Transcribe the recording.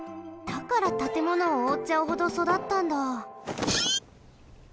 だからたてものをおおっちゃうほどそだったんだ。